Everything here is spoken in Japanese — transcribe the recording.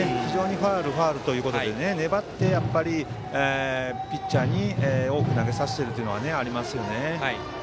ファウル、ファウルということで粘って、ピッチャーに多く投げさせているのはありますよね。